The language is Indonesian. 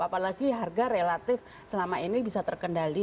apalagi harga relatif selama ini bisa terkendali